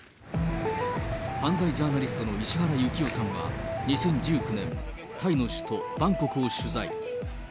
犯罪ジャーナリストの石原行雄さんは、２０１９年、タイの首都バンコクを取材。